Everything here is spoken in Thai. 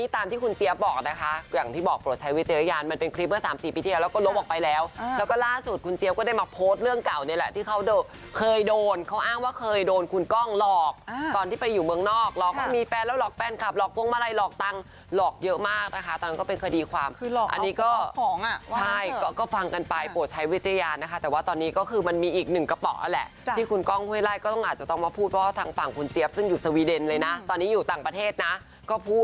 ตอนที่คุณเจี๊ยบบอกนะคะอย่างที่บอกโปรดใช้วิทยาลัยมันเป็นคลิปเมื่อ๓๔ปีที่แล้วแล้วก็ลบออกไปแล้วแล้วก็ล่าสุดคุณเจี๊ยบก็ได้มาโพสต์เรื่องเก่านี้แหละที่เขาเคยโดนเขาอ้างว่าเคยโดนคุณกล้องหลอกตอนที่ไปอยู่เมืองนอกหลอกว่ามีแฟนแล้วหลอกแฟนคลับหลอกพวงมาลัยหลอกตังค์หลอกเยอะมากนะคะตอนนั้นก็เป็